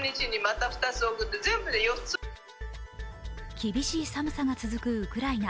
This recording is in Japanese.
厳しい寒さが続くウクライナ。